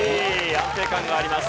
安定感があります。